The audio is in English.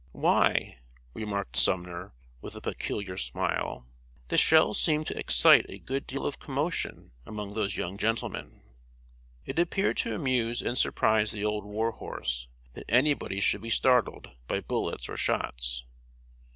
"Why," remarked Sumner, with a peculiar smile, "the shells seem to excite a good deal of commotion among those young gentlemen!" It appeared to amuse and surprise the old war horse that anybody should be startled by bullets or shots.